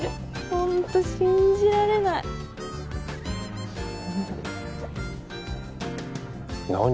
ホント信じられない何？